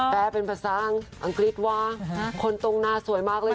แปรเป็นภาษาอังกฤษว่าคนตรงฮ์น่าสวยมากเลยครับ